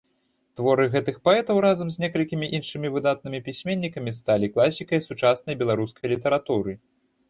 Творы гэтых паэтаў, разам з некалькімі іншымі выдатнымі пісьменнікамі, сталі класікай сучаснай беларускай літаратуры.